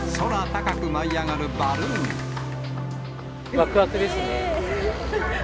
わくわくですね。